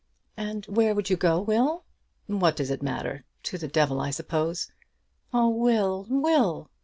"And where would you go, Will?" "What does it matter? To the devil, I suppose." "Oh, Will, Will!"